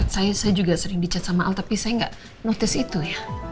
saya juga sering di chat sama al tapi saya gak notice itu ya